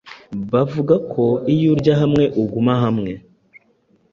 Bavuga ko iyo urya hamwe, uguma hamwe.